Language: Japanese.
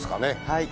はい。